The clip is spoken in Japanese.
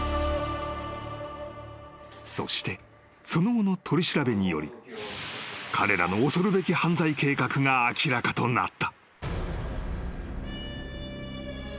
［そしてその後の取り調べにより彼らの恐るべき犯罪計画が明らかとなった］